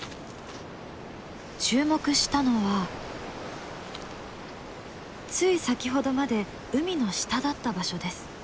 注目したのはつい先ほどまで海の下だった場所です。